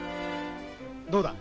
どうだ？